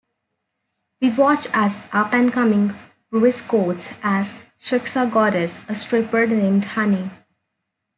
We watch as up-and-coming Bruce courts his "Shiksa goddess", a stripper named Honey.